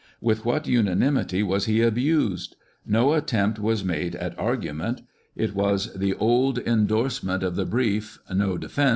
With what unanimity was he abused ! No attempt was made at argument : it was the old endorse Charles Dickens.